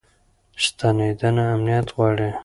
ستنېدنه امنیت غواړي.